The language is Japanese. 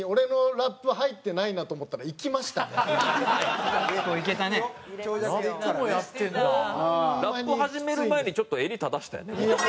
ラップ始める前にちょっと襟正したよね。